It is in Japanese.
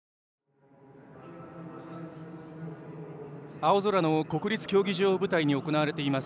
青空の国立競技場を舞台に行われています